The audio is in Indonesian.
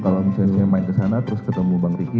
kalau misalnya saya main kesana terus ketemu bang ricky